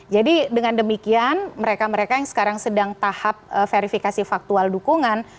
jadi dengan demikian mereka mereka yang sekarang sedang tahap verifikasi faktual dukungan